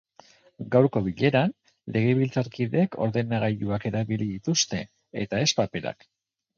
Gaurko bileran, legebiltzarkideek ordenagailuak erabili dituzte, eta ez paperak.